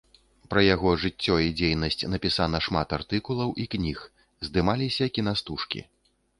Пра яго жыццё і дзейнасць напісана шмат артыкулаў і кніг, здымаліся кінастужкі.